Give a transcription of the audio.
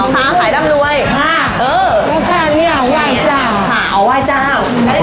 ค่าถ่ายดำรวยค่านิดนึงเอาไหว้เจ้า